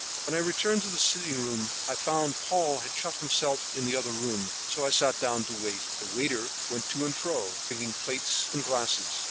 When I returned to the sitting room I found that Paul had shut himself in the other room, so I sat down to wait. A waiter went to and fro, bringing plates and glasses.